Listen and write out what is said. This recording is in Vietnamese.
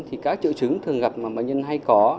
thì các triệu chứng thường gặp mà bệnh nhân hay có